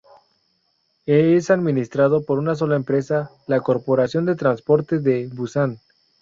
Es administrado por una sola empresa, la Corporación de Transportes de Busan.